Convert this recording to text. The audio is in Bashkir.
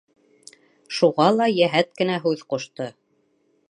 Шуға ла йәһәт кенә һүҙ ҡушты.